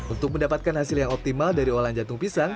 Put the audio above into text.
untuk mendapatkan hasil yang optimal dari olahan jantung pisang